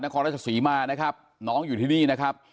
ครราชศรีมานะครับน้องอยู่ที่นี่นะครับ